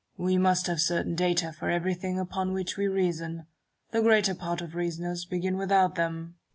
Newton. "We must have certain data for everything upon which we reason : the greater part of reasoners begin without them.